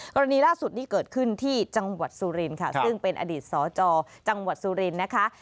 กรณีล่าสุดนี้เกิดขึ้นที่จังหวัดสุรินค่ะซึ่งเป็นอดีตสจจังหวัดสุรินทร์นะคะ